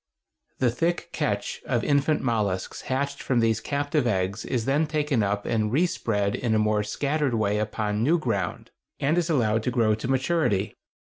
The thick "catch" of infant mollusks hatched from these captive eggs is then taken up and respread in a more scattered way upon new ground, and is allowed to grow to maturity.